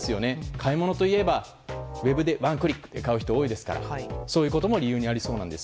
買い物といえばウェブでワンクリックで買う人が多いですからそういうことも理由にありそうなんです。